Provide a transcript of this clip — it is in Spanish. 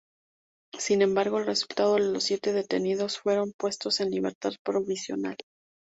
Sin embargo el resto de los siete detenidos fueron puestos en libertad provisional.